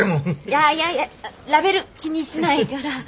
いやいやいやラベル気にしないから。